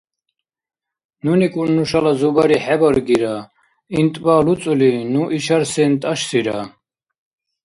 НуникӀун нушала Зубари хӀебаргира. ГӀинтӀба луцӀули, ну ишар сен тӀашсира?